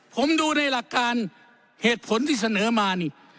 ผมดูในหลักการเหตุผลที่เสนอมานี่